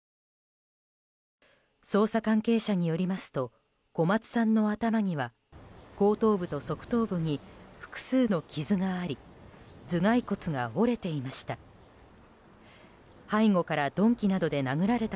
捜査関係者によりますと小松さんの頭には後頭部と側頭部に複数の傷があり頭蓋骨が折れていました。